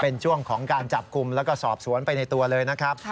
เป็นช่วงของการจับกลุ่มแล้วก็สอบสวนไปในตัวเลยนะครับ